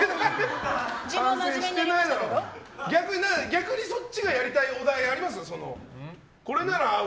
逆にそっちがやりたいお題あります？